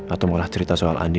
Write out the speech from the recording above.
atau malah cerita soal andi